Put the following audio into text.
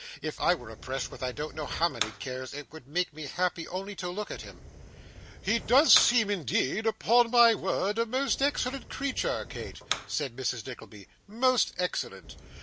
If I were oppressed with I don't know how many cares, it would make me happy only to look at him.' 'He does seem indeed, upon my word, a most excellent creature, Kate,' said Mrs. Nickleby; 'most excellent.